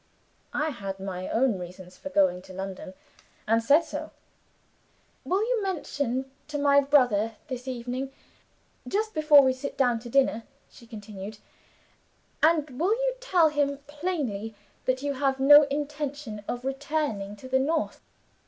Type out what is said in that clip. I had my own reasons for going to London, and said so. 'Will you mention that to my brother this evening, just before we sit down to dinner?' she continued. 'And will you tell him plainly that you have no intention of returning to the North?